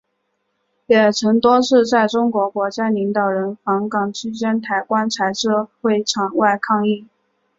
也曾多次在中国国家领导人访港期间抬棺材至会场外抗议。